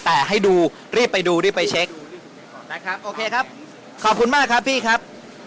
แต่ให้ดูรีบไปดูรีบไปเช็คนะครับโอเคครับขอบคุณมากครับพี่ครับ